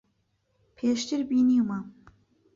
پێشتر بینیومە.